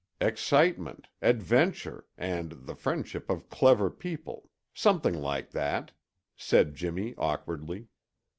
"Excitement, adventure, and the friendship of clever people; something like that," said Jimmy awkwardly.